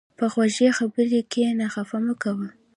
په خوږې خبرې کښېنه، خفه مه کوه.